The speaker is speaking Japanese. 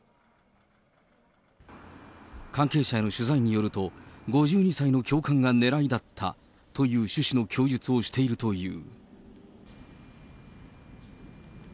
関係者への取材によると、５２歳の教官が狙いだったという趣旨の供述をしているという。